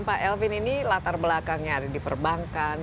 pak elvin ini latar belakangnya ada di perbankan